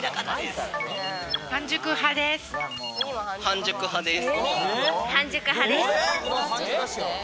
半熟派です。